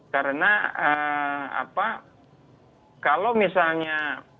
karena apa kalau misalnya